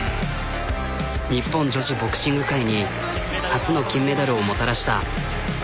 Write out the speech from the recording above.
日本女子ボクシング界に初の金メダルをもたらした。